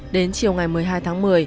đến chiều ngày một mươi hai tháng một mươi